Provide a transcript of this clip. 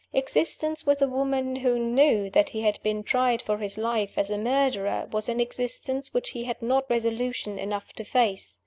_ Existence with a woman who knew that he had been tried for his life as a murderer was an existence which he had not resolution enough to face.